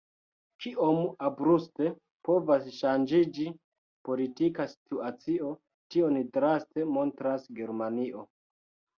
Kiom abrupte povas ŝanĝiĝi politika situacio, tion draste montras Germanio.